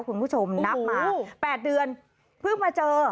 คุณผู้ชมนับมา๘เดือนเพิ่งมาเจอ